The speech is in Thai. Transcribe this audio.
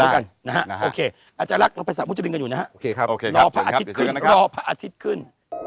อาจารย์ลักษณ์เราไปสระมุจรินกันอยู่นะรอพระอาทิตย์ขึ้น